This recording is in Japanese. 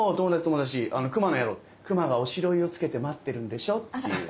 あの熊の野郎」「熊がおしろいをつけて待ってるんでしょ」っていう。